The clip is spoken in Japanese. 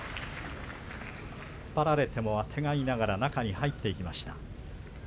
突っ張られても、あてがいながら中に入っていきました。